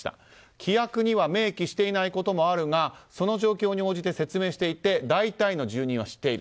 規約には明記していないこともあるがその状況に応じて説明していて大体の住人は知っている。